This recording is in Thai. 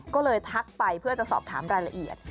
ก็เลยทักไปเพื่อจะสอบถามรายละเอียด